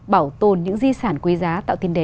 bảo tồn những di sản quý giá tạo tiền đề